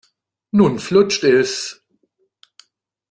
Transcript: Nun flutscht es.